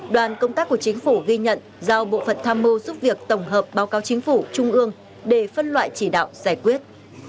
đoàn công tác của chính phủ ghi nhận giao bộ phận tham mưu giúp việc tổng hợp báo cáo chính phủ trung ương để phân loại chỉ đạo giải quyết